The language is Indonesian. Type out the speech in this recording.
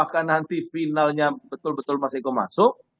apakah nanti finalnya betul betul mas eko masuk